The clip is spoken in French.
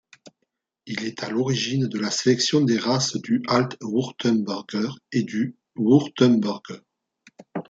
Il est à l'origine de la sélection des races du Alt-Württemberger et du Württemberger.